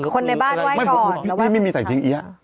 คนในบ้านไว้ก่อน